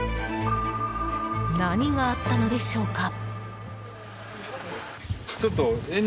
何があったのでしょうか。